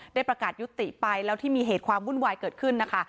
ประกาศยุติไปแล้วที่มีเหตุความวุ่นวายเกิดขึ้นนะคะ